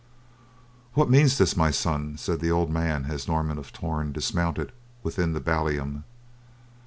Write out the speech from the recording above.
"What means this, my son?" said the old man as Norman of Torn dismounted within the ballium.